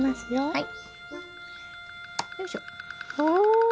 はい。